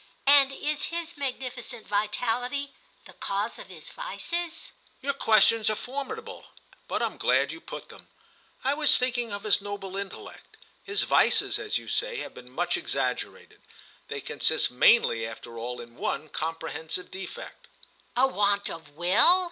"And is his magnificent vitality the cause of his vices?" "Your questions are formidable, but I'm glad you put them. I was thinking of his noble intellect. His vices, as you say, have been much exaggerated: they consist mainly after all in one comprehensive defect." "A want of will?"